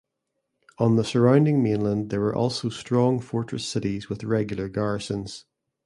On the surrounding mainland there were also strong fortress cities with regular garrisons.